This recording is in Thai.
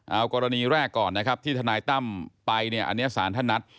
เอากรณีแรกก่อนนะครับที่ทนายตั้มไปเนี่ยอันนี้สารท่านนัด